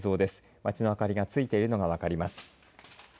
街の明かりがついているのが分かります。